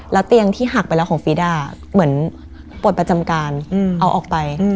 แล้วเตียงที่หักไปแล้วของฟีด้าเหมือนปลดประจำการเอาออกไป